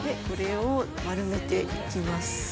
これを丸めて行きます。